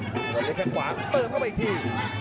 กำลังเล็กข้างขวางเติมเข้าไปอีกที